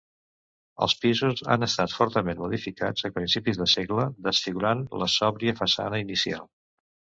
Els pisos han estat fortament modificats a principis de segle, desfigurant la sòbria façana inicial.